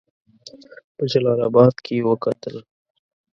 په جلا آباد کې وکتل.